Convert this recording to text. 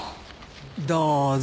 どうぞ。